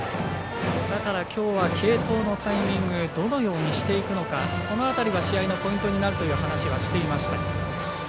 だから、きょうは継投のタイミングどのようにしていくのかその辺りは試合のポイントになるという話をしていました。